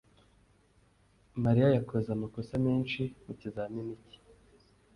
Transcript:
Mariya yakoze amakosa menshi mukizamini cye.